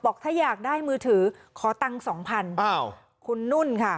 ถ้าอยากได้มือถือขอตังค์สองพันอ้าวคุณนุ่นค่ะ